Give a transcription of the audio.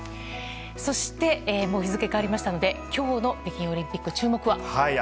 そして、もう日付変わりましたので、きょうの北京オリンピック、注目は。